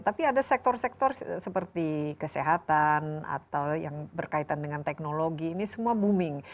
tapi ada sektor sektor seperti kesehatan atau yang berkaitan dengan teknologi ini semua booming